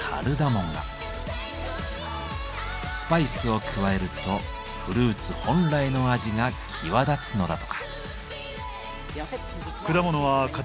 スパイスを加えるとフルーツ本来の味が際立つのだとか。